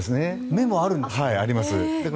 目もあるんですか？